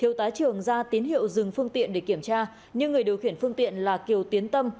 thiếu tá trường ra tín hiệu dừng phương tiện để kiểm tra nhưng người điều khiển phương tiện là kiều tiến tâm